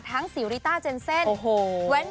ทั้งสิริตาเจนเซ่น